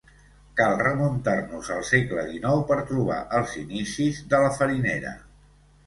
Cal remuntar-nos al segle dinou per trobar els inicis de la farinera.